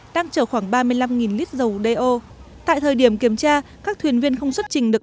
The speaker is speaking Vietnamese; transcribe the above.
đang chở khoảng ba mươi năm lít dầu do tại thời điểm kiểm tra các thuyền viên không xuất trình được